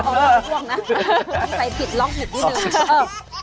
ใส่ผิดลองผิดที่นึก